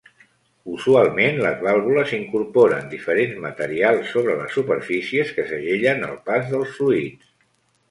Usualment, les vàlvules incorporen diferents materials sobre les superfícies que segellen el pas dels fluids.